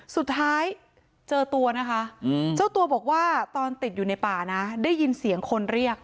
สุดท้ายเจอตัวนะคะเจ้าตัวบอกว่าตอนติดอยู่ในป่านะได้ยินเสียงคนเรียก